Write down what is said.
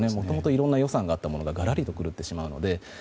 いろんな予算があったものががらりと狂ってしまうので。